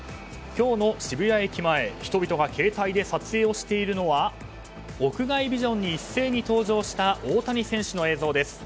今日の渋谷駅前人々が携帯で撮影をしているのは屋外ビジョンに一斉に登場した大谷選手の映像です。